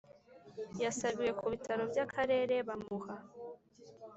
Yasabiwe ku bitaro by akarere bamuha